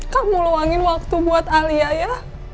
kamu luangin waktu buat alia ya